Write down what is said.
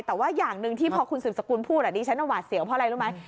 แต่ว่าอย่างหนึ่งที่พอคุณสืบสกุลพูดดิฉันหวาดเสียวเพราะอะไรรู้ไหม